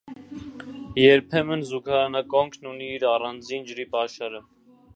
Երբեմն զուգարանակոնքն ունի իր առանձին ջրի պաշարը։